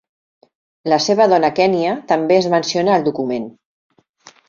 La seva dona Kennya també es menciona al document.